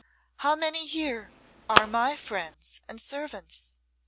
How many here are my friends and servants?"